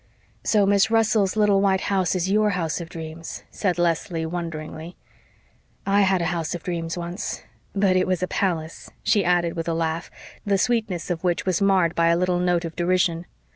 "So Miss Russell's little white house is YOUR house of dreams," said Leslie wonderingly. "I had a house of dreams once but it was a palace," she added, with a laugh, the sweetness of which was marred by a little note of derision.